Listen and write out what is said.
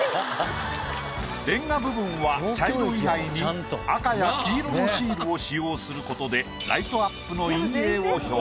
レンガ部分は茶色以外に赤や黄色のシールを使用することでライトアップの。